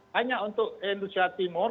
hanya untuk indonesia timur